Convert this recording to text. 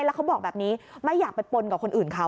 แล้วเขาบอกแบบนี้ไม่อยากไปปนกับคนอื่นเขา